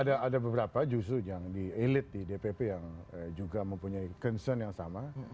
ada beberapa justru yang di elit di dpp yang juga mempunyai concern yang sama